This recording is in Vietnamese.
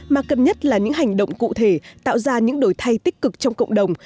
mà cân nhất là những hành động cụ thể tạo ra những đổi thay tích cực trong cộng đồng